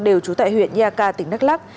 đều trú tại huyện nha ca tỉnh đắk lắc